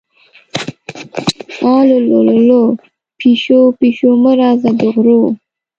اللو للو، پیشو-پیشو مه راځه د غرو